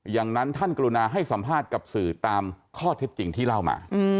อย่างนั้นท่านกรุณาให้สัมภาษณ์กับสื่อตามข้อเท็จจริงที่เล่ามา